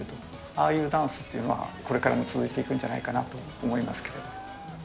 ああいうダンスというのは、これからも続いていくんじゃないかなと思います。